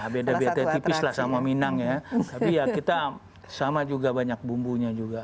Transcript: beda beda tipis lah sama minang ya tapi ya kita sama juga banyak bumbunya juga